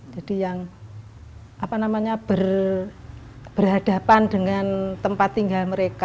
jadi yang berhadapan dengan tempat tinggal mereka